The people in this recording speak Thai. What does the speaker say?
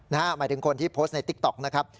หมายถึงคนที่โพสต์ในติ๊กต๊อกนะครับ